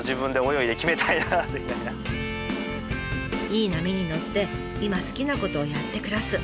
いい波に乗って今好きなことをやって暮らす。